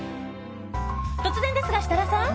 突然ですが、設楽さん。